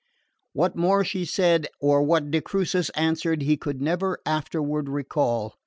What more she said, or what de Crucis answered, he could never afterward recall.